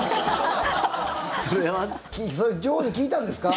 それは女王に聞いたんですか？